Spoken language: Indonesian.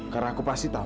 karena aku pasti tahu